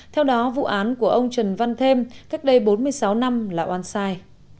theo đó vụ án của ông trần văn thêm cách đây bốn mươi sáu năm là oan sai